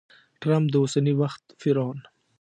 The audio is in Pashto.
ټرمپ د اوسني وخت فرعون!